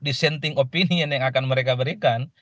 dissenting opinion yang akan mereka berikan